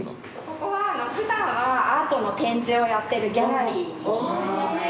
ここは普段はアートの展示をやってるギャラリーになります。